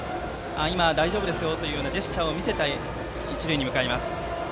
今、大丈夫ですよというジェスチャーを見せて一塁に向かいました。